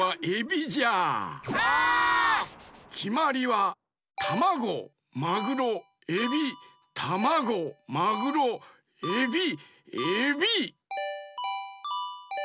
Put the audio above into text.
きまりはタマゴマグロエビタマゴマグロエビエビ！